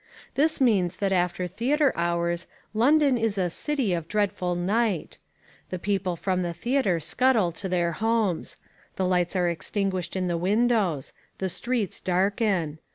This means that after theatre hours London is a "city of dreadful night." The people from the theatre scuttle to their homes. The lights are extinguished in the windows. The streets darken.